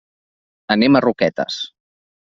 Anem a Roquetes.